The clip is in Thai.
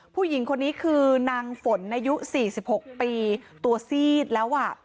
ผู้หญิงคนนี้คือนางฝนอายุ๔๖ปีตัวซีดแล้ว